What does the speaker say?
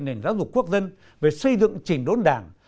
nền giáo dục quốc dân về xây dựng trình đốn đảng